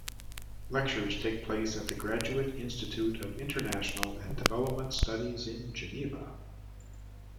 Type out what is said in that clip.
Lectures take place at the Graduate Institute of International and Development Studies, in Geneva.